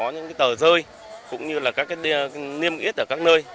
những tờ rơi cũng như các niêm yết ở các nơi